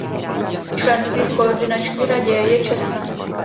Členství v Koordinační radě je čestné.